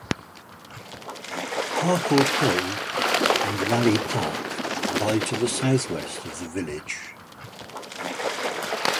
Harcourt Hill and Raleigh Park lie to the southwest of the village.